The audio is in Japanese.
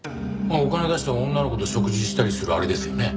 お金出して女の子と食事したりするあれですよね？